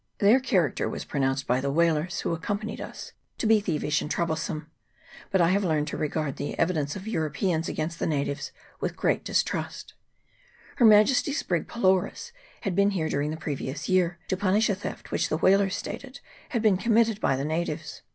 Their character was pronounced by the whalers who accompanied D 2 36 WHALES AND WHALERS. [PART I. us to be thievish and troublesome ; but I have learned to regard the evidence of Europeans against the natives with great distrust. Her Majesty's brig Pylorus had been here during the previous year, to punish a theft which the whalers stated had been committed by the natives.